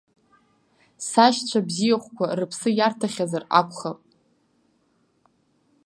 Сашьцәа бзиахәқәа рыԥсы иарҭахьазар акәхап.